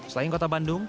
selain kota bandung